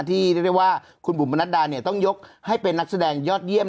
เรียกได้ว่าคุณบุ๋มประนัดดาเนี่ยต้องยกให้เป็นนักแสดงยอดเยี่ยม